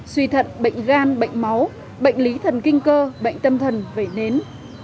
suy thận bệnh gan bệnh máu bệnh lý thần kinh cơ bệnh tâm thần vẩy nến